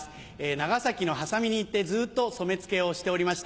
長崎の波佐見に行ってずっと染め付けをしておりました。